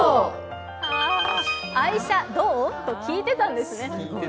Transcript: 「愛車どう？」って聞いてたんですね。